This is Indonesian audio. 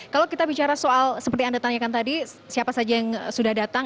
kalau kita bicara soal seperti anda tanyakan tadi siapa saja yang sudah datang